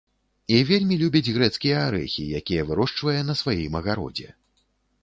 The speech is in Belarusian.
І вельмі любіць грэцкія арэхі, якія вырошчвае на сваім агародзе.